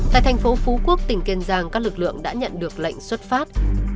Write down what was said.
tại thành phố phú quốc tỉnh kiên giang các lực lượng đã nhận được lệnh xuất phát